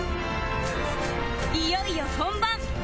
いよいよ本番！